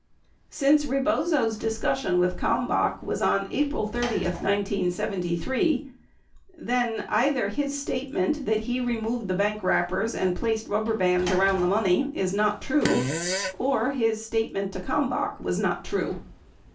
] Since Rebozo's discussion with Kalmbach was on April 30, 1973, then either his statement that he removed the bank wrappers and placed rubber bands around the money is not true or his statement to Kalm bach was not true.